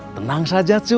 tenang saja cuk